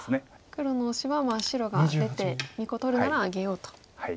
黒のオシは白が出て２個取るならあげようと。